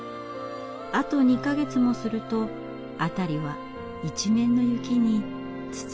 あと２か月もすると辺りは一面の雪に包まれます。